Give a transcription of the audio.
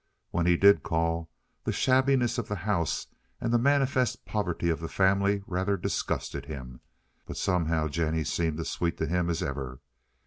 When he did call the shabbiness of the house and the manifest poverty of the family rather disgusted him, but somehow Jennie seemed as sweet to him as ever.